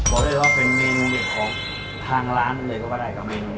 บอกเลยว่าเป็นเมนูเด็ดของทางร้านเลยก็ว่าได้กับเมนู